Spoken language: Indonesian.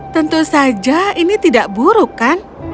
tentu saja ini tidak buruk kan